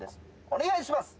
お願いします。